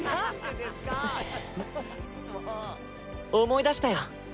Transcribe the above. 思い出したよ。